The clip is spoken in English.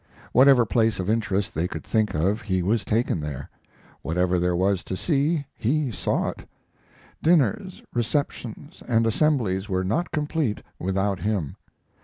Whatever place of interest they could think of he was taken there; whatever there was to see he saw it. Dinners, receptions, and assemblies were not complete without him.